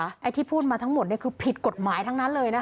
ไอ้ที่พูดมาทั้งหมดคือผิดกฎหมายทั้งนั้นเลยนะคะ